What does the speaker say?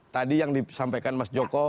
tadi yang disampaikan mas joko